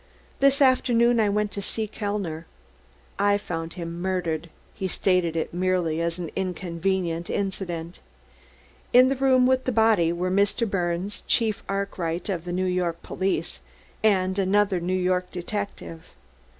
This afternoon I went to see Mr. Kellner. I found him murdered." He stated it merely as an inconvenient incident. "In the room with the body were Mr. Birnes, Chief Arkwright of the New York police, and another New York detective.